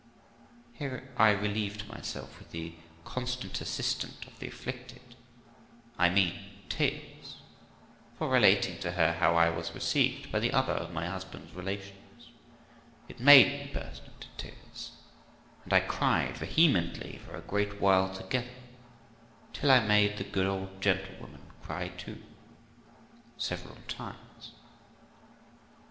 Here I relieved myself with the constant assistant of the afflicted, I mean tears; for, relating to her how I was received by the other of my husband's relations, it made me burst into tears, and I cried vehemently for a great while together, till I made the good old gentlewoman cry too several times.